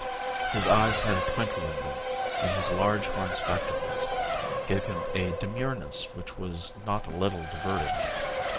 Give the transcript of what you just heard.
His eyes had a twinkle in them and his large horn spectacles gave him a demureness which was not a little diverting.